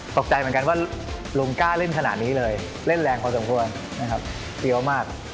ตกใจเหมือนกันว่าลุงกล้าเล่นขนาดนี้เลยเล่นแรงพอสมควรนะครับเฟี้ยวมาก